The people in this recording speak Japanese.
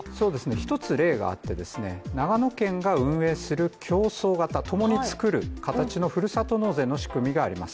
１つ例があって、長野県が運営する共創型ともにつくる形のふるさと納税の仕組みがあります。